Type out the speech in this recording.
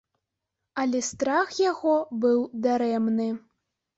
Але страх яго быў дарэмны.